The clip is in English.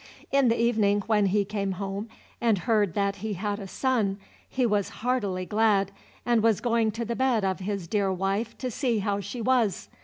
In the evening when he came home and heard that he had a son he was heartily glad, and was going to the bed of his dear wife to see how she was.